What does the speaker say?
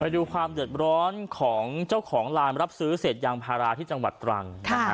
ดูความเดือดร้อนของเจ้าของลานรับซื้อเศษยางพาราที่จังหวัดตรังนะฮะ